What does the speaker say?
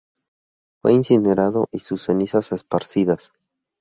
Fue incinerado y sus cenizas esparcidas.